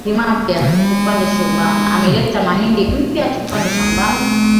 Ameleta mahindi mpya tupande shambani